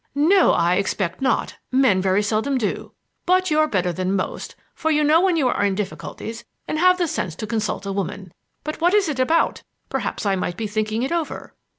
"No, I expect not. Men very seldom do. But you're better than most, for you know when you are in difficulties and have the sense to consult a woman. But what is it about? Perhaps I might be thinking it over."